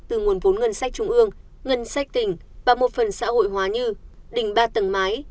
từ nguồn vốn ngân sách trung ương ngân sách tỉnh và một phần xã hội hóa như đình ba tầng mái